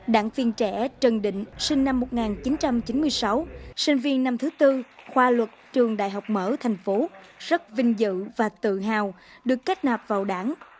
đảng viên trẻ trần định sinh năm một nghìn chín trăm chín mươi sáu sinh viên năm thứ tư khoa luật trường đại học mở thành phố rất vinh dự và tự hào được kết nạp vào đảng